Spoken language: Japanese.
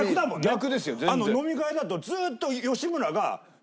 飲み会だとずっと。